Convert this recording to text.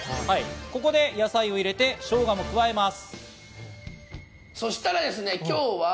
ここで野菜を入れて、しょうがも加えます。